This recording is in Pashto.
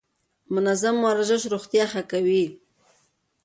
منظم ورزش روغتيا ښه کوي.